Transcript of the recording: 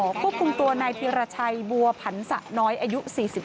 ควบคุมตัวนายธีรชัยบัวผันสะน้อยอายุ๔๙